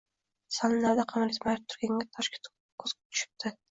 Sal narida qimir etmay turgan toshga ko‘zi tushibdi